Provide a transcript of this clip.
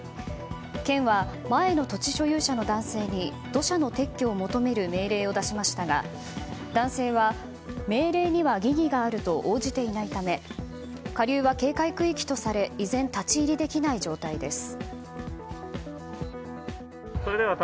県は前の土地所有者の男性に土砂の撤去を求める命令を出しましたが男性は命令には疑義があると応じていないため下流は警戒区域とされ依然、立ち入りできない状態です。